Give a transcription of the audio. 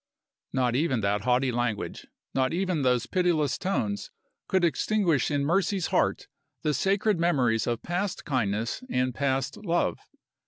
Not even that haughty language, not even those pitiless tones, could extinguish in Mercy's heart the sacred memories of past kindness and past love.